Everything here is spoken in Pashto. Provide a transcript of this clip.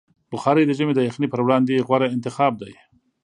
بخاري د ژمي د یخنۍ پر وړاندې غوره انتخاب دی.